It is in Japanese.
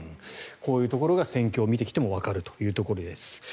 こういうところが戦況を見てきてもわかるということです。